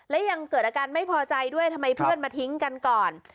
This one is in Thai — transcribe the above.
และยังเกิดอาการไม่พอใจด้วยทำไมเพื่อนมาทิ้งกันก่อน